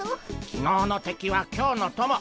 昨日の敵は今日の友。